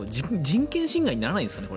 人権侵害にならないんですかね？